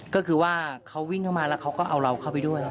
ก็คือว่าเขาวิ่งเข้ามาแล้วเขาก็เอาเราเข้าไปด้วย